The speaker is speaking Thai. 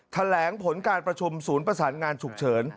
แถลงผลการประชุมศูนย์ประสานงานฉุกเฉิน